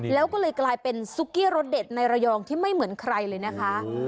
แล้วก็เลยกลายเป็นซุกี้รสเด็ดในระยองที่ไม่เหมือนใครเลยนะคะ